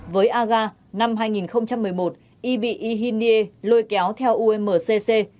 với aga năm hai nghìn một mươi một y bị y hinh niê lôi kéo theo umcc